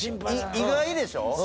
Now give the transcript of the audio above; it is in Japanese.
意外でしょ？